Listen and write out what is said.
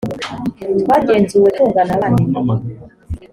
twagenzuwe tungana nabane